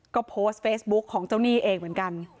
ก็โพสต์เฟซบุ๊คของเจ้าหนี้เองเหมือนกัน